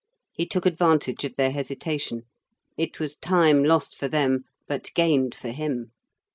He took advantage of their hesitation. It was time lost for them, but gained for him.